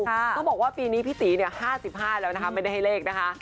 ต้องบอกว่าปีนี้พี่ตี๕๕แล้วนะคะไม่ได้ให้เลขนะคะ